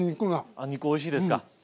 あ肉おいしいですか。